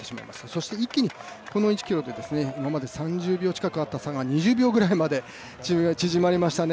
そして一気にこの１ｋｍで今まで３０秒近くあった差が２０秒ぐらいまで縮まりましたね。